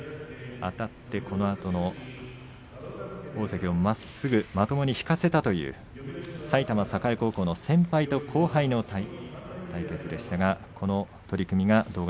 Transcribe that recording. あたって大関をまともに引かせたという埼玉栄高校の先輩後輩の対決でした。